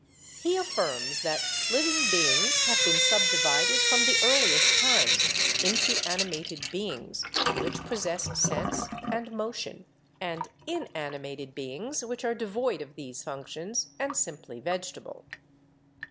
He affirms that living beings have been subdivided from the earliest times into animated beings, which possess sense and motion, and inanimated beings, which are devoid of these functions and simply vegetable.